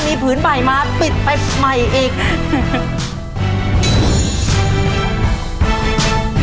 มีผืนใหม่มาปิดไปใหม่อีก